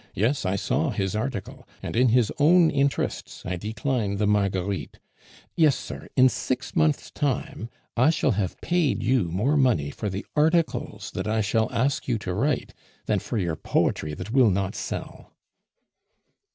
"Yes, I saw his article, and in his own interests I decline the Marguerites. Yes, sir, in six months' time I shall have paid you more money for the articles that I shall ask you to write than for your poetry that will not sell."